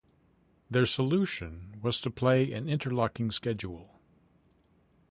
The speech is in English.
Their solution was to play an interlocking schedule.